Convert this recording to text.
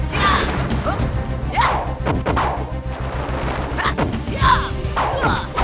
hanya begitu saja